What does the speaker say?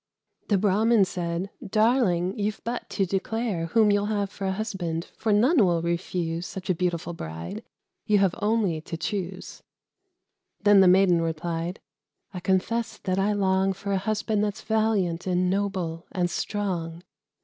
Surprised at the sight of a being so fair, The Brahmin said, "Darling, you've but to declare Whom you'll have for a husband, for none will refuse Such a beautiful bride; you have only to choose." Then the Maiden replied, "I confess that I long For a husband that's valiant, and noble, and strong."